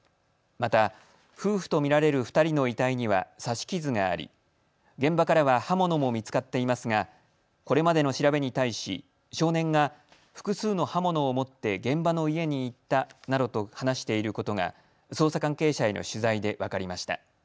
また夫婦と見られる２人の遺体には刺し傷があり現場からは刃物も見つかっていますがこれまでの調べに対し少年が複数の刃物を持って現場の家に行ったなどと話していることが捜査関係者への取材で分かりました。